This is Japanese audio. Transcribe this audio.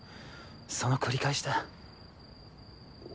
その繰り返しだ。